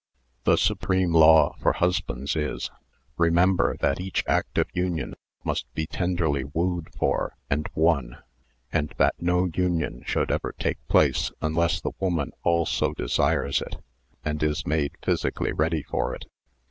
The supreme law for husbands is : Remember that each act of union must be tenderly wooed for and won, and that no union should ever take place unless the woman also desires it and is made physically ready for it.